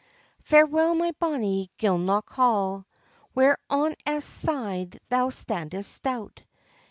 "Farewell, my bonnie Gilnock hall, Where on Esk side thou standest stout!